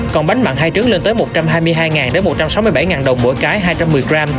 còn bánh mặn hai trứng lên tới một trăm hai mươi hai một trăm sáu mươi bảy đồng mỗi cái hai trăm một mươi gram